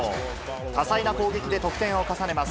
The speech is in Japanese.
多彩な攻撃で得点を重ねます。